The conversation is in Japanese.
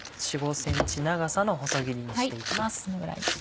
４５ｃｍ長さの細切りにして行きます。